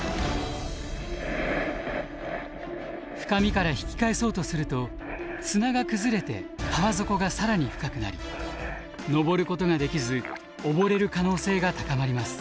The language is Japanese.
深みから引き返そうとすると砂が崩れて川底が更に深くなり登ることができず溺れる可能性が高まります。